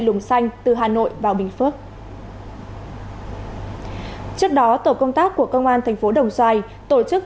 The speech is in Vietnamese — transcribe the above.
lùng xanh từ hà nội vào bình phước trước đó tổ công tác của công an thành phố đồng xoài tổ chức